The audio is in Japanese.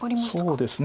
そうですね。